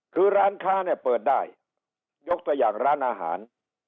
คือร้านค้าเนี่ยเปิดได้ยกตัวอย่างร้านอาหาร